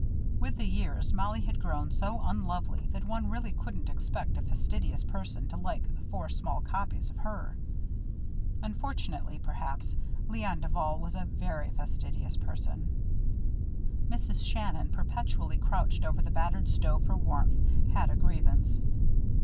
With the years, Mollie had grown so unlovely that one really couldn't expect a fastidious person to like four small copies of her. Unfortunately, perhaps, Léon Duval was a very fastidious person. Mrs. Shannon, perpetually crouched over the battered stove for warmth, had a grievance.